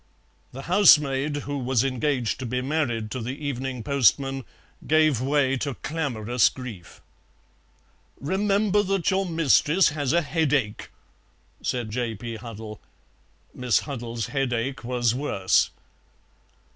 The housemaid, who was engaged to be married to the evening postman, gave way to clamorous grief. "Remember that your mistress has a headache," said J. P. Huddle. (Miss Huddle's headache was worse.)